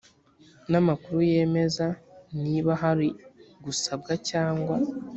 n amakuru yemeza niba hari gusabwa cyangwa